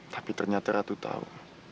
tapi ternyata ratu tahu